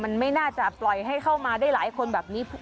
อาจจะปล่อยให้เข้ามาได้หลายคนแบบนี้